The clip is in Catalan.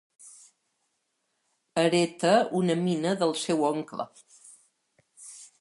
Hereta una mina del seu oncle.